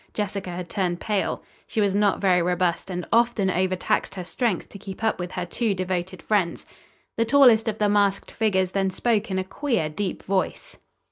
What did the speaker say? Jessica had turned pale. She was not very robust and often overtaxed her strength to keep up with her two devoted friends. The tallest of the masked figures then spoke in a queer, deep voice.